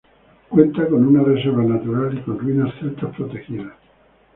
Cuenta con una reserva natural y con ruinas celtas protegidas.